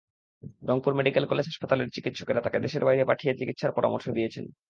Rangpur medical college হাসপাতালের চিকিৎসকেরা তাঁকে দেশের বাইরে পাঠিয়ে চিকিৎসার পরামর্শ দিয়েছেন।